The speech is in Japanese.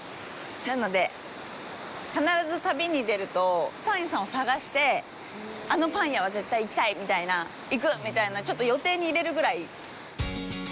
なので、必ず旅に出るとパン屋さんを探してあのパン屋は絶対行きたいみたいな、行くみたいなちょっと予定に入れるぐらい。